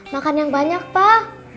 makan yang banyak pak